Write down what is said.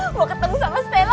neng mau ketemu sama stella